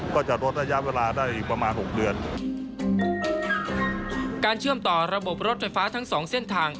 ก็จะลดระยะเวลาได้ประมาณหกเดือนการเชื่อมต่อระบบรถไฟฟ้าทั้งสองเส้นทาง